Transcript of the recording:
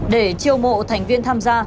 để chiêu mộ thành viên tham gia